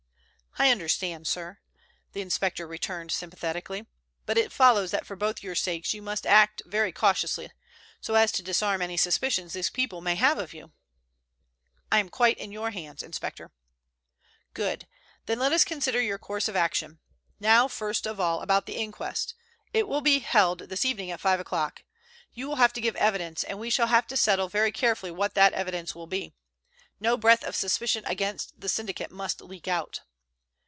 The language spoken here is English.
"I understand, sir," the inspector returned sympathetically, "but it follows that for both your sakes you must act very cautiously, so as to disarm any suspicions these people may have of you." "I am quite in your hands, inspector." "Good. Then let us consider your course of action. Now, first of all about the inquest. It will be held this evening at five o'clock. You will have to give evidence, and we shall have to settle very carefully what that evidence will be. No breath of suspicion against the syndicate must leak out."